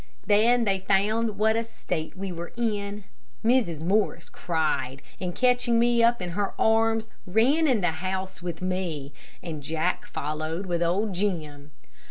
Then they found what a state we were in. Mrs. Morris cried, and catching me up in her arms, ran in the house with me, and Jack followed with old Jim.